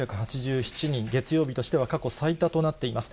月曜日としては過去最多となっています。